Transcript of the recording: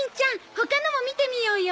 他のも見てみようよ。